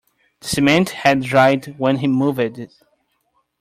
The cement had dried when he moved it.